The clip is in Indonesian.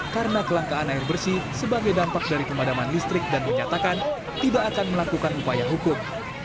karena kelangkaan air bersih sebagai dampak dari kemadaman listrik dan menyatakan tidak akan melakukan upaya hukum